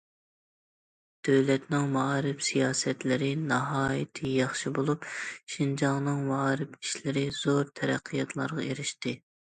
دۆلەتنىڭ مائارىپ سىياسەتلىرى ناھايىتى ياخشى بولۇپ، شىنجاڭنىڭ مائارىپ ئىشلىرى زور تەرەققىياتلارغا ئېرىشتى.